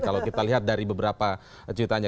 kalau kita lihat dari beberapa ceritanya